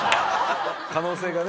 可能性がね。